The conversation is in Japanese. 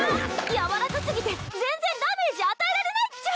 やわらかすぎて全然ダメージ与えられないっちゃ！